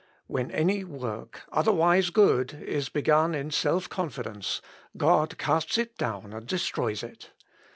When any work otherwise good is begun in self confidence, God casts it down, and destroys it.